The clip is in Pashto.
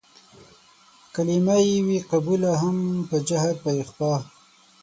کلمه يې وي قبوله هم په جهر په اخفا